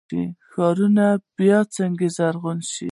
ښارونه باید څنګه زرغون شي؟